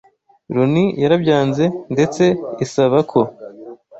Loni yarabyanze ndetse isaba ko